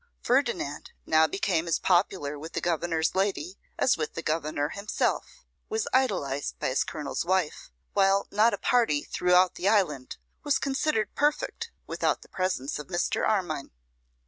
Ferdinand now became as popular with the Governor's lady as with the Governor himself, was idolised by his Colonel's wife, while not a party throughout the island was considered perfect without the presence of Mr. Armine.